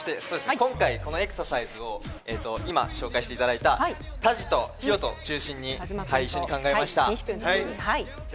今回このエクササイズを今紹介していただいた、タジとヒロと一緒に考えました。